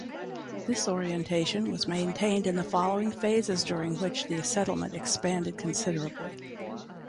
This orientation was maintained in the following phases during which the settlement expanded considerably.